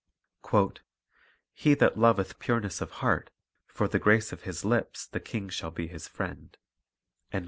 "He that loveth pureness of heart, for the grace of his lips the King shall be his friend."